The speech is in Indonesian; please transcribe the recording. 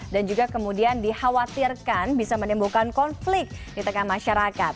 dan juga kemudian dikhawatirkan bisa menimbulkan konflik di tengah masyarakat